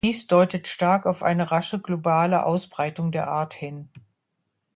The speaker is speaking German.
Dies deutet stark auf eine rasche globale Ausbreitung der Art hin.